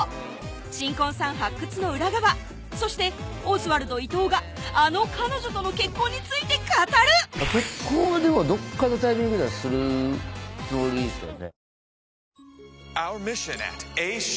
新婚さん発掘の裏側そしてオズワルド伊藤があの彼女との結婚について語る結婚はでもどっかのタイミングではするつもりですけどね